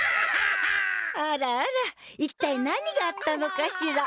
あらあらいったい何があったのかしら？